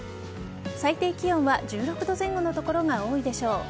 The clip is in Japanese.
最低気温は１６度前後の所が多いでしょう。